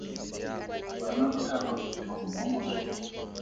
Bana ba ya kwa phuthegong ya mo mosong.